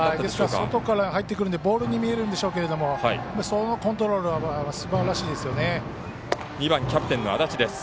外から入ってくるんでボールに見えるんでしょうけどそのコントロールがすばらしいですよね。